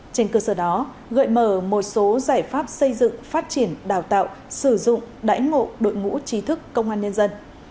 trên cơ sở đó gợi mở một số giải pháp xây dựng phát triển đào tạo sử dụng đải ngộ đội ngũ trí thức công an nhân dân